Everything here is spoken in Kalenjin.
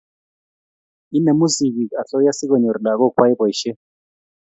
inemu sigik asoya sikonyor lagok kwai boishet